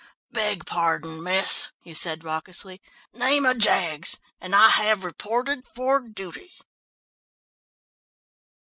"Beg pardon, miss," he said raucously, "name of Jaggs! And I have reported for dooty!"